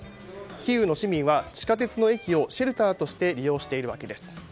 キーウの市民は地下鉄の駅をシェルターとして利用しているわけです。